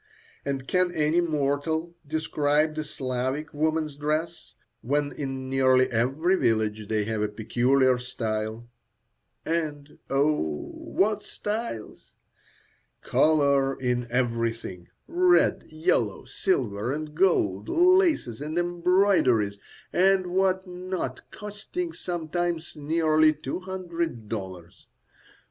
And can any mortal describe the Slavic woman's dress, when in nearly every village they have a peculiar style? And, oh! what styles! Colour in everything; red, yellow, silver, and gold, laces and embroideries and what not, costing sometimes nearly two hundred dollars.